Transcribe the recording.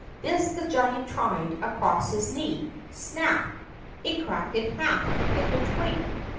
This the giant tried across his knee. Snap! it cracked in half, like a twig.